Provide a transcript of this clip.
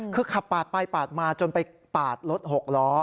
คือขับปาดไปปาดมาจนไปปาดรถหกล้อ